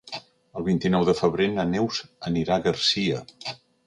El vint-i-nou de febrer na Neus anirà a Garcia.